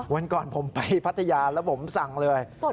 วันก่อนผมไปพัทยาแล้วผมสั่งเลย